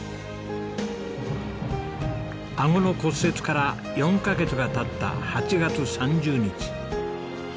あごの骨折から４カ月が経った８月３０日。